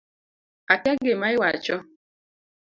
Akia gima iwacho